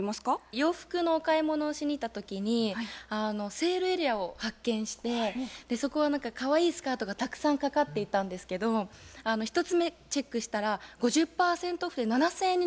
洋服のお買い物をしにいった時にセールエリアを発見してそこはかわいいスカートがたくさん掛かっていたんですけど１つ目チェックしたら５０％オフで７，０００円になってたんですよ。